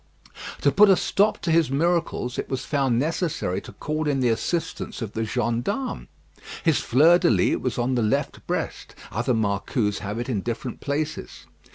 To put a stop to his miracles, it was found necessary to call in the assistance of the gendarmes. His fleur de lys was on the left breast; other marcous have it in different parts.